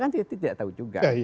kan dia tidak tahu juga